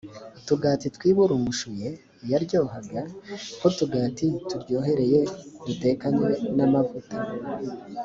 utugati twiburungushuye yaryohaga nk utugati turyohereye dutekanywe n amavuta